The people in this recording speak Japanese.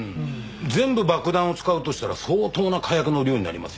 全部爆弾を使うとしたら相当な火薬の量になりますよね。